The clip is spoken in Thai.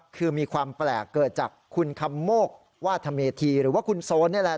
คือมีความแปลกเกิดจากคุณคำโมกวาธเมธีหรือว่าคุณโซนนี่แหละ